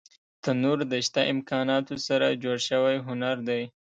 تنور د شته امکاناتو سره جوړ شوی هنر دی